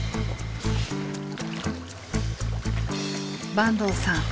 坂東さん